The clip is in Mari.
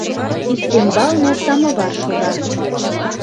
Ӱстембалне самовар шога.